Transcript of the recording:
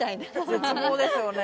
絶望ですよね。